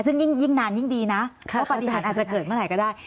ซึ่งยิ่งนานยิ่งดีนะว่าปฏิหารอาจจะเกิดเมื่อไหร่ก็ได้